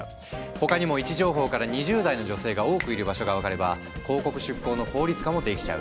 他にも位置情報から２０代の女性が多くいる場所が分かれば広告出稿の効率化もできちゃう。